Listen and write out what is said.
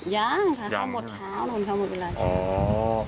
ยังใช่เขาหมดเช้าหมดเวลาเช้า